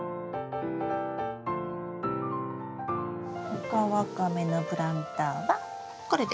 オカワカメのプランターはこれです。